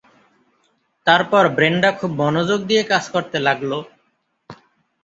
তারপর ব্রেন্ডা খুব মনোযোগ দিয়ে কাজ করতে লাগল।